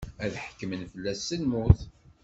Ad ḥekkmen fell-as s lmut.